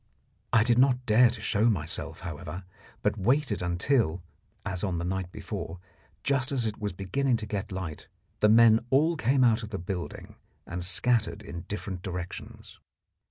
I did not dare to show myself, however, but waited until, as on the night before, just as it was beginning to get light, the men all came out of the building and scattered in different directions.